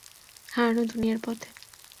হারানো দুনিয়ার পথে!